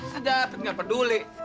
si japrit gak peduli